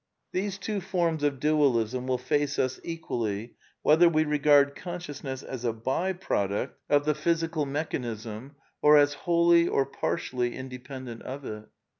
(These two forms of dualism will face us equally, whether we regard consciousness as a by product of the 72 A DEFENCE OF IDEALISM physical mechanism, or as wholly or partially independent of it.)